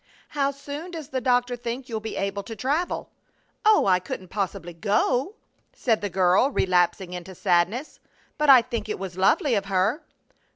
"How soon does the doctor think you'll be able to travel?" "Oh, I couldn't possibly go," said the girl, relapsing into sadness; "but I think it was lovely of her."